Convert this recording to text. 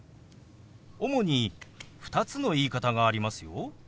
主に２つの言い方がありますよ。